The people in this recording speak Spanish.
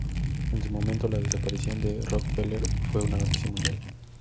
En su momento la desaparición de Rockefeller fue una noticia mundial.